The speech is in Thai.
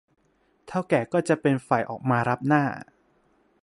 เถ้าแก่ก็จะเป็นฝ่ายออกมารับหน้า